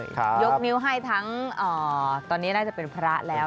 ยกนิ้วให้ทั้งตอนนี้น่าจะเป็นพระแล้ว